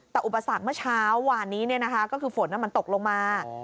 แต่อุปสรรคเมื่อเช้าวานนี้เนี่ยนะคะก็คือฝนนั้นมันตกลงมา